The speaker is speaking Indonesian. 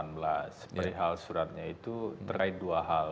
beri hal suratnya itu terkait dua hal